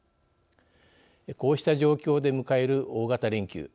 こうした状況で迎える、大型連休。